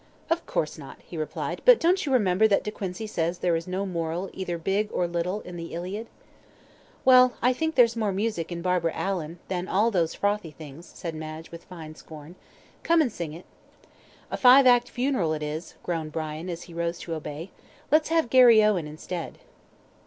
"Of course not," he replied, "but don't you remember that De Quincy says there is no moral either big or little in the Iliad." "Well, I think there's more music in Barbara Allan than all those frothy things," said Madge, with fine scorn. "Come and sing it." "A five act funeral, it is," groaned Brian, as he rose to obey; "let's have Garry Owen instead."